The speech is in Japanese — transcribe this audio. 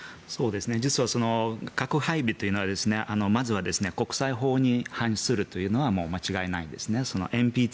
実は核配備というのはまずは国際法に反するというのはもう間違いないんですね。